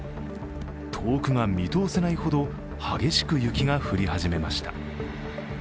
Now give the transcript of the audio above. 遠くが見通せないほど激しく雪が降り始めました。